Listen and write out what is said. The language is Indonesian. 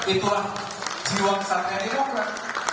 itulah jiwa masyarakat di demokrat